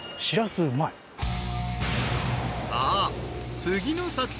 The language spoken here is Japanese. ［さあ］